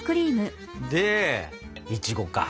でいちごか。